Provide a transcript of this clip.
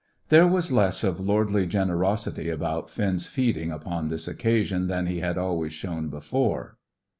There was less of lordly generosity about Finn's feeding upon this occasion than he had always shown before.